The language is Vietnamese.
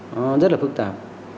nó rất là phức tạp